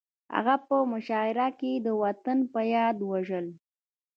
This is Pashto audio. هغه په مشاعره کې د وطن په یاد وژړل